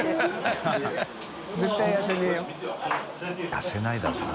痩せないだろうな。